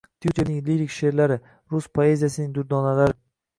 Tyutchevning lirik she’rlari – rus poeziyasining durdonalari.